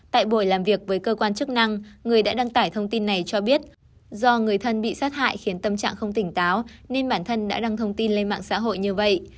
tại buổi làm việc với cơ quan chức năng người đã đăng tải thông tin này cho biết do người thân bị sát hại khiến tâm trạng không tỉnh táo nên bản thân đã đăng thông tin lên mạng xã hội như vậy